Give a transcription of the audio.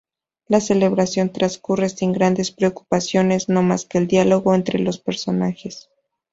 La celebración transcurre sin grandes preocupaciones, no más que el diálogo entre los personajes.